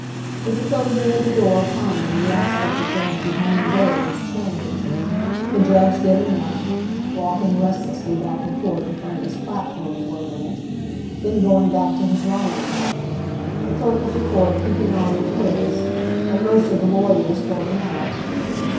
With the closing of the door upon them the aspect of things behind the railings changed, the judge getting up, walking restlessly back and forth in front of his platform for a minute, then going back to his writing; the clerk of the court keeping on with his, and most of the lawyers going out.